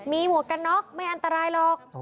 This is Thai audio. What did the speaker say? มีหมวกกันน็อกไม่อันตรายหรอก